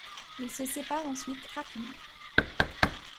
Ils se séparent ensuite rapidement.